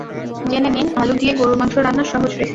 জেনে নিন আলু দিয়ে গরুর মাংস রান্নার সহজ রেসিপি।